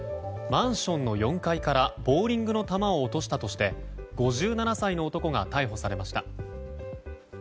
マンションの４階からボウリングの球を落としたとして５７歳の男が逮捕されました。